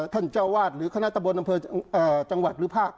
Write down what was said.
ท่านเจ้าวาดหรือคณะตะบนอำเภอจังหวัดหรือภาค